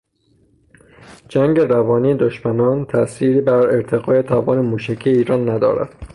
جنگ روانی دشمنان تأثیری بر ارتقاء توان موشکی ایران ندارد.